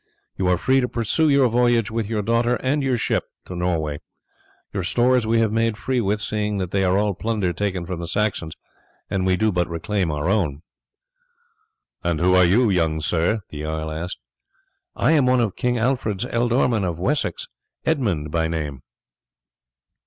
You are free to pursue your voyage with your daughter and your ship to Norway. Your stores we have made free with, seeing that they are all plunder taken from the Saxons, and we do but reclaim our own." "And who are you, young sir?" the jarl asked. "I am one of King Alfred's ealdormen of Wessex, Edmund by name."